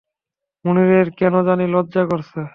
মুনিরের কেন জানি লজ্জা করছে।